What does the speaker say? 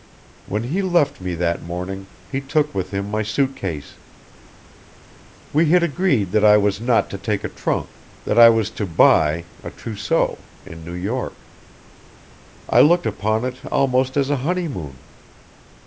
"When he left me that morning he took with him my suit case. We had agreed that I was not to take a trunk: that I was to buy a trousseau in New York. I looked upon it almost as a honeymoon.